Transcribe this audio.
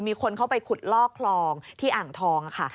มีคนเข้าไปขุดลอกคลองที่อ่างทองค่ะ